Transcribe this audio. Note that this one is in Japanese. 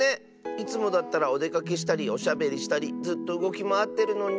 いつもだったらおでかけしたりおしゃべりしたりずっとうごきまわってるのに。